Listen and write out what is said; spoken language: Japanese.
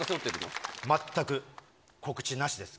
全く告知なしです。